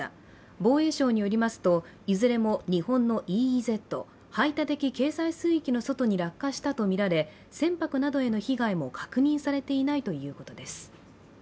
防衛省によりますと、いずれも日本のＥＥＺ＝排他的経済水域の外に落下したとみられ船舶などへの被害も確認されていないということです。